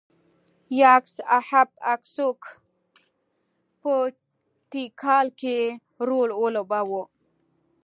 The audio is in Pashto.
یاکس اهب اکسوک په تیکال کې رول ولوباوه.